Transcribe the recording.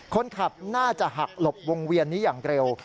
คนขับน่าจะหักหลบวงเวียนนี้อย่างเร็ว